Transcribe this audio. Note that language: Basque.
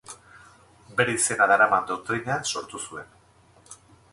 Bere izena daraman doktrina sortu zuen.